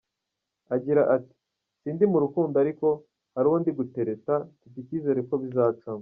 Agira ati "Sindi mu rukundo ariko hari uwo ndi gutereta, mfite icyizere ko bizacamo.